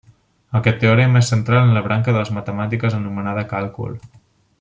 Aquest teorema és central en la branca de les matemàtiques anomenada càlcul.